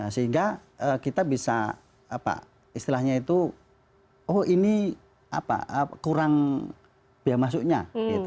sehingga kita bisa apa istilahnya itu oh ini apa kurang biaya masuknya